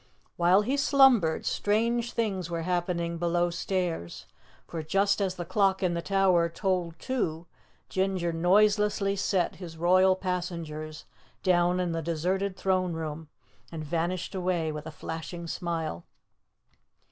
While he slumbered, strange things were happening below stairs, for just as the clock in the tower tolled two Ginger noiselessly set his royal passengers down in the deserted throne room and vanished away with a flashing smile.